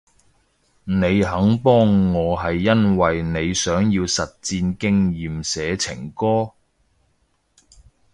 你肯幫我係因為你想要實戰經驗寫情歌？